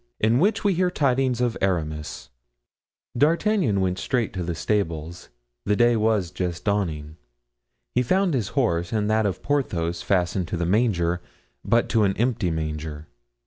In which we hear Tidings of Aramis. D'Artagnan went straight to the stables; day was just dawning. He found his horse and that of Porthos fastened to the manger, but to an empty manger.